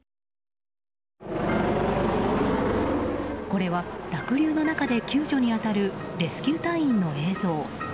これは濁流の中で救助に当たるレスキュー隊員の映像。